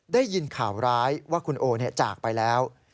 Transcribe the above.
ได้ยินข่าวร้ายว่าคุณโอจากไปแล้ว